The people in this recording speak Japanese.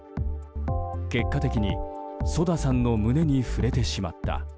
結果的に、ＳＯＤＡさんの胸に触れてしまった。